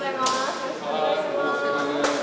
よろしくお願いします。